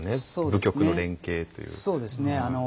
部局の連携という。